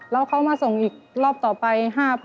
แล้วเขามาส่งอีกรอบต่อไป๕๐๐๐